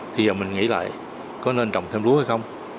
thì mình nghĩ lại có nên trồng thêm lúa hay không